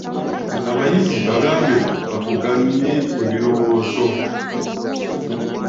Abayizi bagambe bakubaganye ebirowoozo.